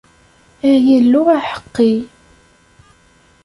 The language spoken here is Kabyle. Ay Illu aḥeqqi!